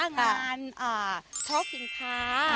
งานครอบสินค้า